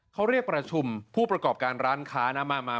เขาเรียกประชุมผู้ประกอบการร้านค้านะมา